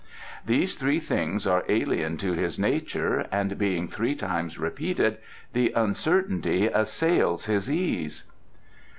These three things are alien to his nature, and being three times repeated, the uncertainty assails his ease."